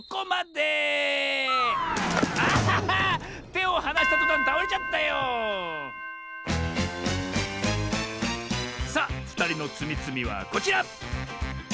てをはなしたとたんたおれちゃったよさあふたりのつみつみはこちら！